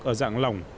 ở dạng lòng